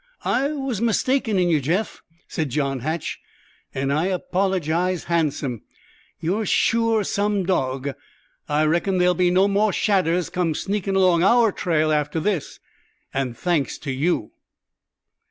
"I was mistaken in yeh, Jeff," said John Hatch, "an' I apologize handsome. Ye're sure some dawg. I reckon there'll be no more shadders come sneakin' along our trail after this, an' thanks to you!"